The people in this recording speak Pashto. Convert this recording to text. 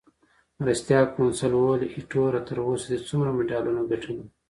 مرستیال کونسل وویل: ایټوره، تر اوسه دې څومره مډالونه ګټلي؟